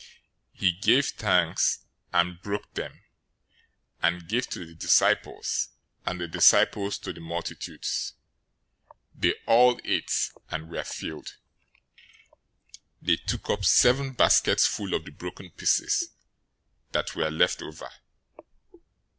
He gave thanks and broke them, and gave to the disciples, and the disciples to the multitudes. 015:037 They all ate, and were filled. They took up seven baskets full of the broken pieces that were left over.